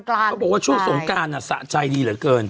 เขาบอกว่าช่วงสงการสะใจดีเหลือเกิน